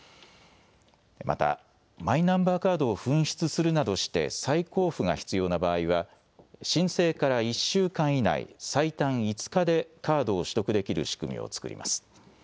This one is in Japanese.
また、マイナンバーカードを紛失するなどして再交付が必要な場合は、申請から１週間以内、最短５日でカードを取得できる仕組みを作ります。